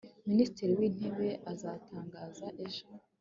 minisitiri w'intebe azatangaza ejo